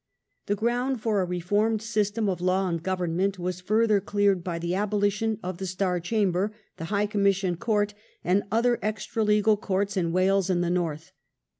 The ground for a reformed system of law and govern ment was further cleared by the abolition of the Star Chamber, the High Commission Court, and other extra legal courts in Wales and the North.